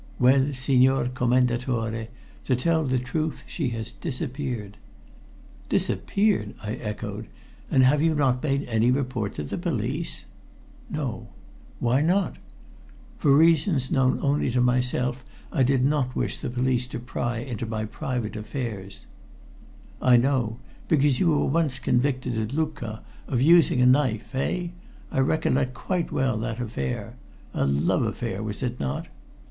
"Well, Signor Commendatore, to tell the truth, she has disappeared." "Disappeared!" I echoed. "And have you not made any report to the police?" "No." "Why not?" "For reasons known only to myself I did not wish the police to pry into my private affairs." "I know. Because you were once convicted at Lucca of using a knife eh? I recollect quite well that affair a love affair, was it not?"